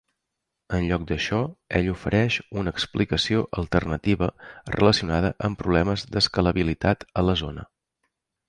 En lloc d'això, ell ofereix una explicació alternativa relacionada amb problemes d'escalabilitat a la zona.